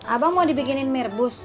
abang mau dibikinin mirbus